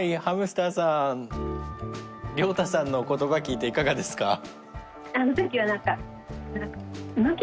ハムスターさんりょうたさんの言葉聞いていかがですか？